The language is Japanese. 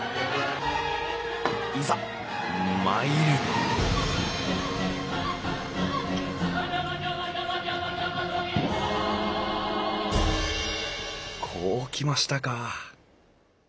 いざ参るこうきましたか。